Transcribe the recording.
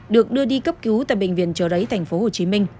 được đưa đi cấp cứu tại bệnh viện chợ đáy tp hcm